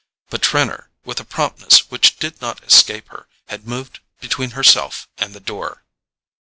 But Trenor, with a promptness which did not escape her, had moved between herself and the door.